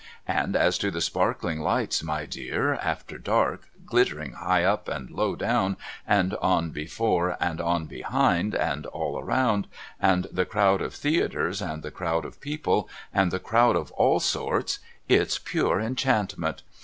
And as to the sparkling lights my dear after dark, glittering high up and low down and on before and on behind and all round, and the crowd of theatres and the crowd of people and the crowd of all sorts, it's pure enchantment.